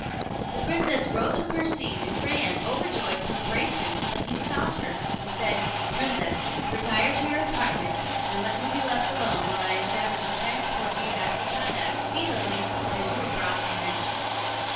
The princess rose from her seat, and ran, overjoyed, to embrace him; but he stopped her, and said, "Princess, retire to your apartment; and let me be left alone, while I endeavour to transport you back to China as speedily as you were brought from thence."